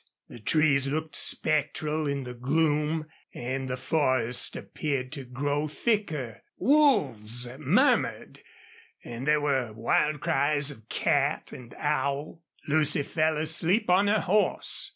The trees looked spectral in the gloom, and the forest appeared to grow thicker. Wolves murmured, and there were wild cries of cat and owl. Lucy fell asleep on her horse.